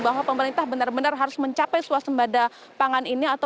bahwa pemerintah benar benar harus mencapai suasembada pangan ini